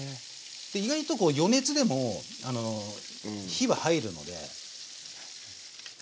で意外と余熱でも火は入るので。